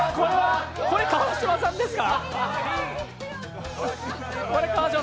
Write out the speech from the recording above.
これは川島さんですか！？